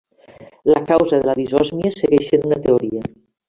La causa de la disòsmia segueix sent una teoria.